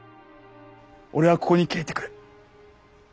俺はここに帰ってくる。